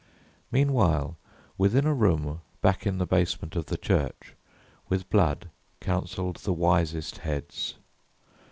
Meanwhile within a room Back in the basement of the church, with Blood Counseled the wisest heads.